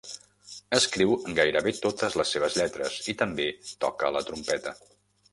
Escriu gairebé totes les seves lletres i també toca la trompeta.